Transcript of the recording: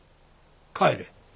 帰れ。